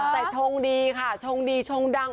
แต่ชงดีค่ะชงดีชงดัง